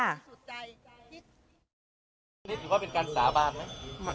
วันนี้ถือว่าเป็นการสาบานไหม